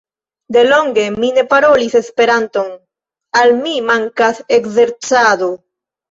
De longe mi ne parolis Esperanton, al mi mankas ekzercado.